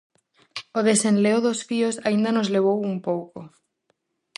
O desenleo dos fíos aínda nos levou un pouco.